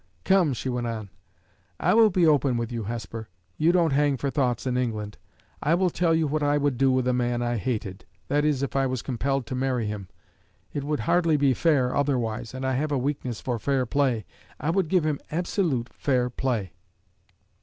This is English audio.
Come," she went on, "I will be open with you, Hesper; you don't hang for thoughts in England. I will tell you what I would do with a man I hated that is, if I was compelled to marry him; it would hardly be fair otherwise, and I have a weakness for fair play. I would give him absolute fair play."